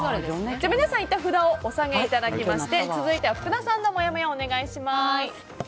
皆さん、いったん札をお下げいただきまして続いては福田さんのもやもやお願いします。